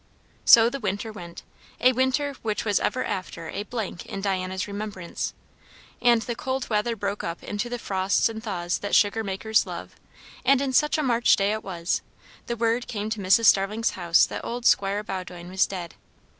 So the winter went; a winter which was ever after a blank in Diana's remembrance; and the cold weather broke up into the frosts and thaws that sugar makers love; and in such a March day it was, the word came to Mrs. Starling's house that old Squire Bowdoin was dead.